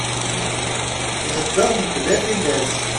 Thedder mebla tilas.